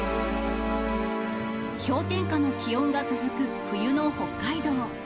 氷点下の気温が続く冬の北海道。